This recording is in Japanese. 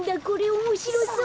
おもしろそう。